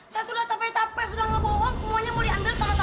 saya sudah capek capek sudah ngebohong semuanya mau diambil